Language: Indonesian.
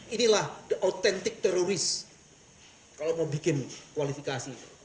inilah the authentic teroris kalau mau bikin kualifikasi